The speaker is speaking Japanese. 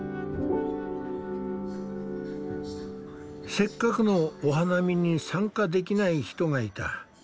せっかくのお花見に参加できない人がいた。